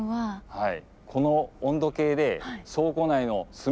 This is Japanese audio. はい。